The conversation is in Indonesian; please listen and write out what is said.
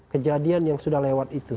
kejadian yang sudah lewat itu